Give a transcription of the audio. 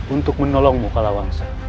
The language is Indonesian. untuk menolongmu kalahansa